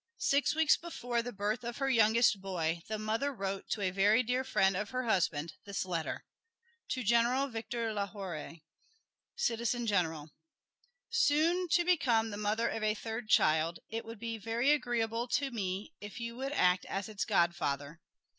Six weeks before the birth of her youngest boy, the mother wrote to a very dear friend of her husband, this letter: "To General Victor Lahorie, "Citizen General: "Soon to become the mother of a third child, it would be very agreeable to me if you would act as its godfather.